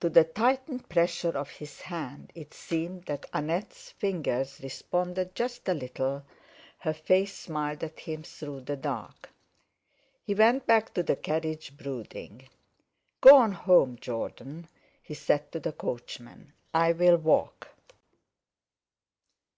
To the tightened pressure of his hand it seemed that Annette's fingers responded just a little; her face smiled at him through the dark. He went back to the carriage, brooding. "Go on home, Jordan," he said to the coachman; "I'll walk."